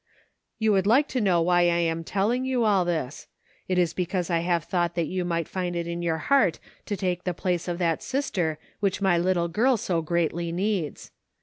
" You would like to know why I am telling you all this. It is because I have thought that you might find it in your heart to take the place of that sister which my little girl so greatly needs.